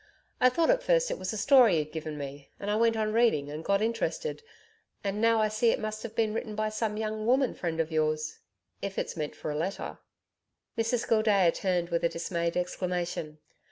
I thought at first it was a story you'd given me, and I went on reading and got interested; and now I see it must have been written by some young woman friend of yours' if it's meant for a letter.' Mrs Gildea turned with a dismayed exclamation.